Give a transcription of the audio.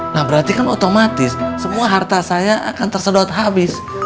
nah berarti kan otomatis semua harta saya akan tersedot habis